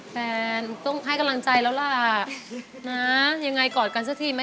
แฟนต้องให้กำลังใจแล้วล่ะ